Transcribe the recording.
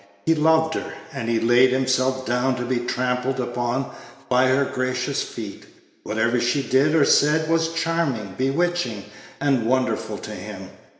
He loved her, and he laid himself down to be trampled upon by her gracious feet. Whatever she did or said was charming, bewitching, and wonderful to him.